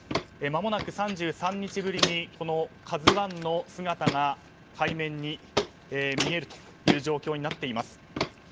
まもなく３３日ぶりに「ＫＡＺＵ１」の姿が海面に見えるという状況になっています。